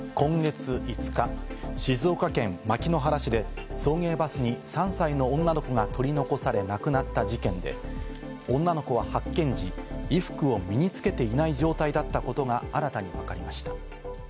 今月５日、静岡県牧之原市で送迎バスに３歳の女の子が取り残され、亡くなった事件で女の子は発見時、衣服を身につけていない状態だったことが新たにわかりました。